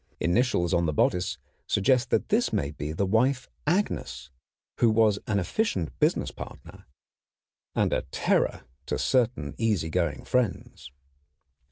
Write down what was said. Initials on the bodice suggest that this may be the wife Agnes, who was an efficient business partner and a terror to certain easygoing friends.